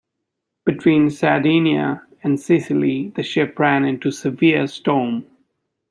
Between Sardinia and Sicily the ship ran into a severe storm.